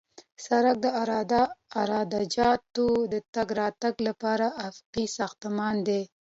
سړک د عراده جاتو د تګ راتګ لپاره افقي ساختمان دی